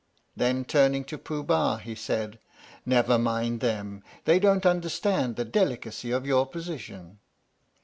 Then, turning to Pooh Bah, he said :" Never mind them ; they don't understand the delicacy of your position."